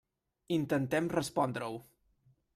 Intentem respondre-ho.